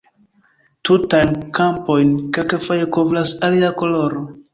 Tutajn kampojn kelkfoje kovras ilia koloro.